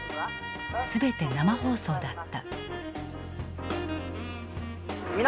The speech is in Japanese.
全て生放送だった。